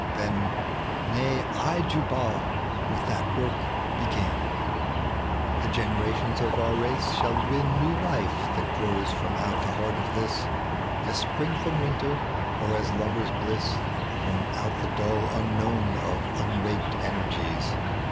19 Tlien — Nay, I Jubal will that work begiu I The generations of our race shall win New life, that grows from out the heart of this, Aa apxing from winter, or as lovers' bliss From out the dull unknown of unwaked energies."